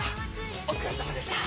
お疲れさまでした。